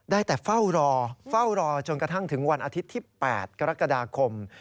ได้แต่เฝ้ารอเฝ้ารอจนกระทั่งถึงวันอาทิตย์ที่๘กรกฎาคม